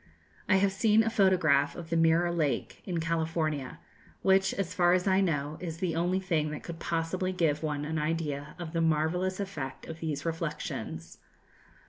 I have seen a photograph of the Mirror Lake, in California, which, as far as I know, is the only thing that could possibly give one an idea of the marvellous effect of these reflections.